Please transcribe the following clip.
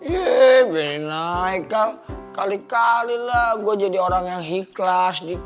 yeay beneran kali kalilah gue jadi orang yang ikhlas di kawal